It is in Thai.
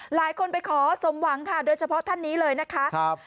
หลายคนไปขอสมหวังค่ะโดยเฉพาะท่านนี้เลยนะคะ